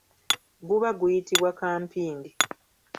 Guba guyitibwa kampindi.